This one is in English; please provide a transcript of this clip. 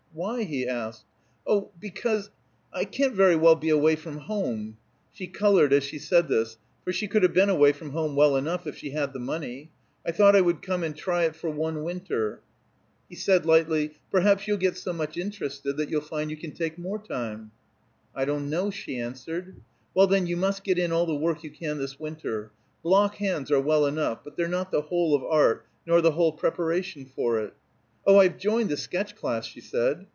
"Why?" he asked. "Oh, because I can't very well be away from home." She colored as she said this, for she could have been away from home well enough if she had the money. "I thought I would come and try it for one winter." He said lightly, "Perhaps you'll get so much interested that you'll find you can take more time." "I don't know," she answered. "Well, then, you must get in all the work you can this winter. Block hands are well enough, but they're not the whole of art nor the whole preparation for it." "Oh, I've joined the sketch class," she said.